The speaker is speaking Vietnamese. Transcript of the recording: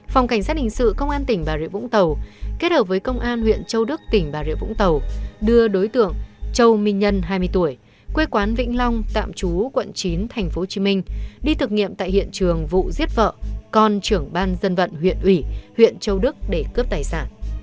phòng cảnh sát hình sự công an tỉnh bà rịa vũng tàu kết hợp với công an huyện châu đức tỉnh bà rịa vũng tàu đưa đối tượng châu minh nhân hai mươi tuổi quê quán vĩnh long tạm trú quận chín tp hcm đi thực nghiệm tại hiện trường vụ giết vợ con trưởng ban dân vận huyện ủy huyện châu đức để cướp tài sản